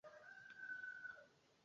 na Wakwaya ni kikabila cha Wajita